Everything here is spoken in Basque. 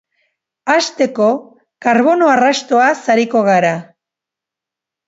Hasteko, karbono arrastoaz ariko gara.